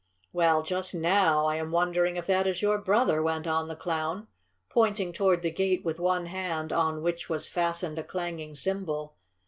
"Well, just NOW I am wondering if that is your brother," went on the Clown, pointing toward the gate with one hand on which was fastened a clanging cymbal.